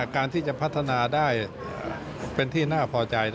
การที่จะพัฒนาได้เป็นที่น่าพอใจ